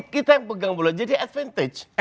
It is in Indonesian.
kita yang pegang bola jadi advintage